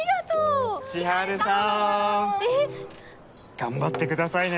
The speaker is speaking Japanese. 頑張ってくださいね。